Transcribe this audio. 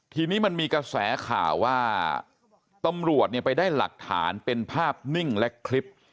ทีนี้มันมีกระแสข่าวว่าตำรวจไปได้หลักฐานเป็นภาพนิ่งและคลิป